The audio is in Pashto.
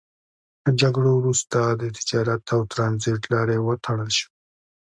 له جګړو وروسته د تجارت او ترانزیت لارې وتړل شوې.